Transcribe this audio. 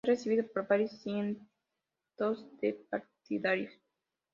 Fue recibido por varios cientos de partidarios.